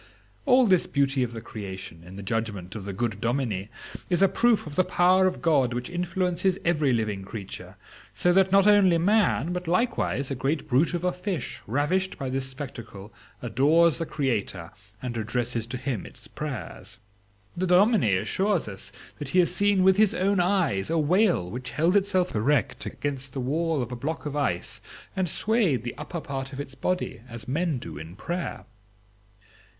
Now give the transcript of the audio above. All this beauty of the creation, in the judgment of the good dominie, is a proof of the power of God which influences every living creature, so that not only man, but likewise a great brute of a fish, ravished by this spectacle, adores the Creator and addresses to him its prayers. The dominie assures us that he has seen with his own eyes a whale which held itself erect against the wall of a block of ice, and swayed the upper part of its body as men do in prayer."